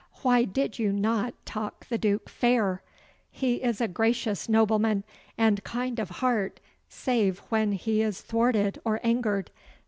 Why did you not talk the Duke fair? He is a gracious nobleman, and kind of heart, save when he is thwarted or angered.